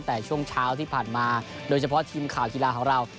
แต่ช่วงเช้าที่ผ่านมาโดยเฉพาะทีมข่าวกีฬาของเรา